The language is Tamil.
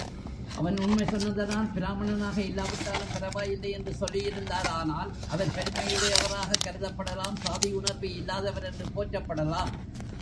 அவன் உண்மை சொன்னதால் பிராமணனாக இல்லாவிட்டாலும் பரவாயில்லை என்று சொல்லியிருந்தாரானால் அவர் பெருமையுடையவராகக் கருதப்படலாம் சாதியுணர்வு இல்லாதவரென்று போற்றப்படலாம்.